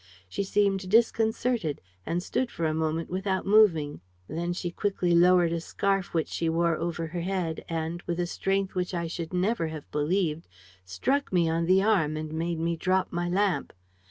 She seemed disconcerted and stood for a moment without moving. Then she quickly lowered a scarf which she wore over her head and, with a strength which I should never have believed, struck me on the arm and made me drop my lamp.